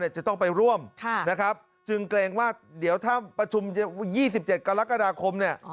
จะต้องไปร่วมนะครับจึงเกรงว่าเดี๋ยวถ้าประชุม๒๗กรกฎาคมเนี่ย